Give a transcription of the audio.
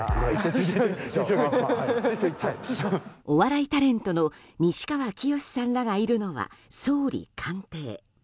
お笑いタレントの西川きよしさんらがいるのは総理官邸。